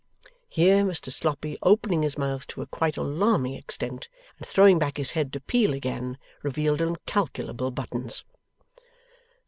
Here, Mr Sloppy opening his mouth to a quite alarming extent, and throwing back his head to peal again, revealed incalculable buttons.